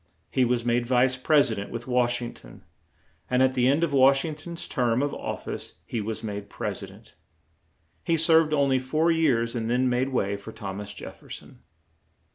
He was made Vice Presi dent with Wash ing ton, and at the end of Wash ing ton's term of of fice he was made Pres i dent. He served on ly four years and then made way for Thom as Jef fer son.